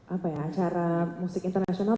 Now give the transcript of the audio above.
acara musik internasional